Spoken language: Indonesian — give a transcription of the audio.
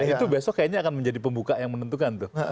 itu besok kayaknya akan menjadi pembuka yang menentukan tuh